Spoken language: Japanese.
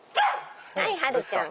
はいハルちゃん。